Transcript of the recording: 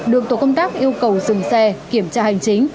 đường tổ công tác yêu cầu dừng xe kiểm tra hành chính